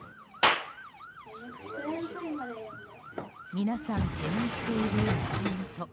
皆さん、懸念している習い事。